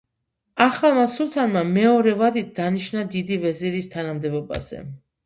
ახალმა სულთანმა მეორე ვადით დანიშნა დიდი ვეზირის თანამდებობაზე.